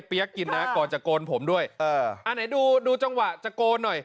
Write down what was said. ปะกะจอกเอ๊ย